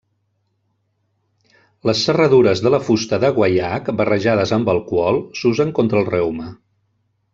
Les serradures de la fusta de guaiac, barrejades amb alcohol s'usen contra el reuma.